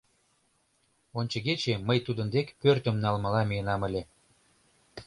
Ончыгече мый тудын дек пӧртым налмыла миенам ыле.